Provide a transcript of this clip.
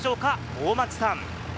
大町さん。